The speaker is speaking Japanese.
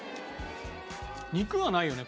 肉はないよね。